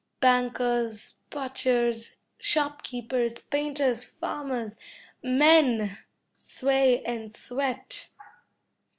Bankers, butchers, shop keepers, painters, farmers men, sway and sweat.